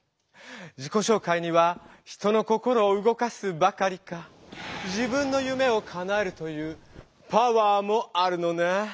自己紹介には人の心をうごかすばかりか自分の夢をかなえるというパワーもあるのね！